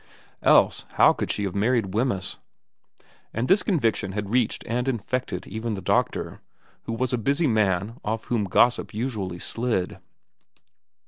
Else how could she have married Wemyss ? And this conviction had reached and infected even the doctor, who was a busy man off whom gossip usually slid.